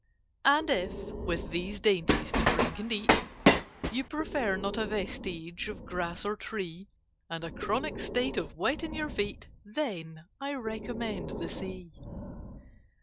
And if, with these dainties to drink and eat, You prefer not a vestige of grass or tree, And a chronic state of wet in your feet, Then—I recommend the Sea.